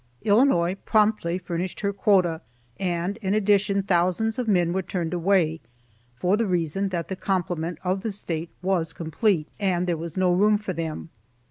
Illinois promptly furnished her quota, and in addition, thousands of men were turned away, for the reason that the complement of the State was complete, and there was no room for them.